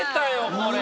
これ。